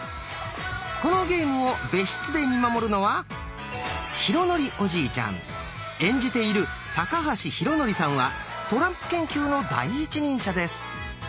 このゲームを別室で見守るのは演じている高橋浩徳さんはトランプ研究の第一人者です。